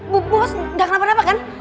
bu bos gak kenapa kenapa kan